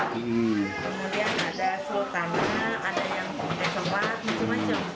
kemudian ada sultana ada yang sempat macam macam